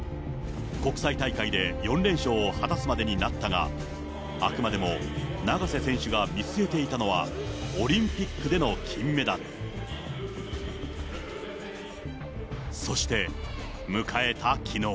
国際大会で４連勝を果たすまでになったが、あくまでも永瀬選手が見据えていたのは、オリンピックでの金メダル。そして迎えたきのう。